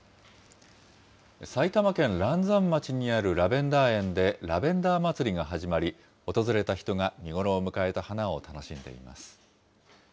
埼玉県嵐山町にあるラベンダー園でラベンダーまつりが始まり、訪れた人が見頃を迎えた花を楽しんでいます。